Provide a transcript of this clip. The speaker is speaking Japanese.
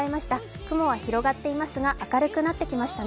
雲は広がっていますが明るくなってきましたね。